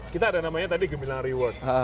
kita ada namanya tadi gemilang reward